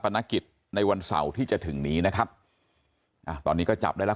นักกิจในวันเสาร์ที่จะถึงนี้นะครับอ่าตอนนี้ก็จับได้แล้ว